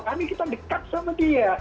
karena kita dekat sama dia